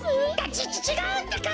ちちがうってか！